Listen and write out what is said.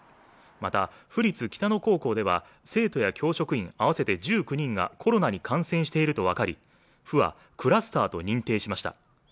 また、府立北野高校では生徒や教職員合わせて１９人がコロナに感染していると分かり、府はクラスターと認定しました。